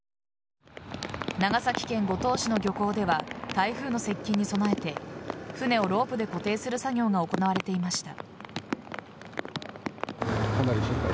長崎県五島市の漁港では台風の接近に備えて船をロープで固定する作業が行われていました。